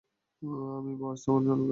আমি বার্চ বনের অলগা।